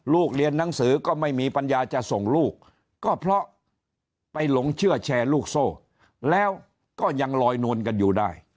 เรียนหนังสือก็ไม่มีปัญญาจะส่งลูกก็เพราะไปหลงเชื่อแชร์ลูกโซ่แล้วก็ยังลอยนวลกันอยู่ได้